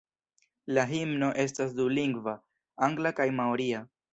La himno estas dulingva: angla kaj maoria.